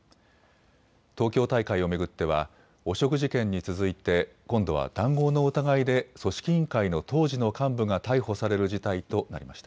東京大会を巡っては汚職事件に続いて、今度は談合の疑いで組織委員会の当時の幹部が逮捕される事態となりました。